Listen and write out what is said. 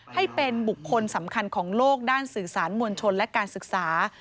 ให้เป็นบุคคลสำคัญของโลกด้านสื่อสารมวลชนและการศึกษา